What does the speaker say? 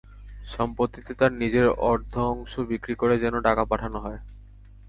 সম্পত্তিতে তার নিজের অর্ধ অংশ বিক্রি করে যেন টাকা পাঠানো হয়।